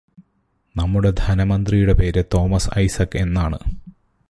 നമ്മുടെ ധനമന്ത്രിയുടെ പേര് തോമസ് ഐസക്ക് എന്നാണ്.